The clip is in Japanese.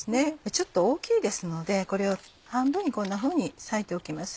ちょっと大きいですのでこれを半分にこんなふうに裂いておきます。